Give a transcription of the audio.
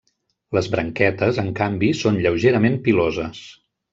Les branquetes, en canvi, són lleugerament piloses.